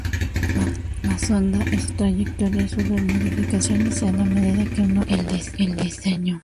La sonda y su trayectoria sufren modificaciones en la medida que madura el diseño.